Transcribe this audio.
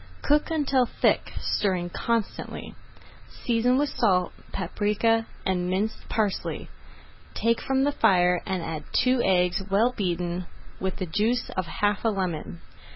Cook until thick, stirring constantly. Season with salt, paprika, and minced parsley, take from the fire, and add two eggs well beaten with the juice of half a lemon.